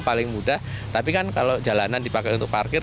paling mudah tapi kan kalau jalanan dipakai untuk parkir